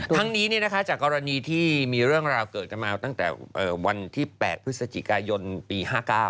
ทั้งนี้จากกรณีที่มีเรื่องราวเกิดกันมาตั้งแต่วันที่๘พฤศจิกายนปี๕๙